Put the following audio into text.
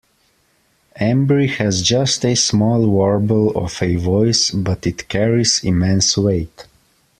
Embry has just a small warble of a voice, but it carries immense weight.